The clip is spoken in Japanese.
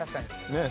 ねえ。